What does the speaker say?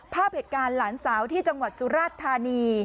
ภาพเหตุการณ์หลานสาวที่จังหวัดสุราชธานี